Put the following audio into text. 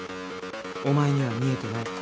お前には見えてない。